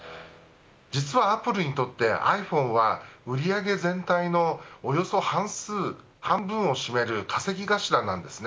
実はアップルにとってｉＰｈｏｎｅは、売り上げ全体のおよそ半分を占める稼ぎ頭なんです。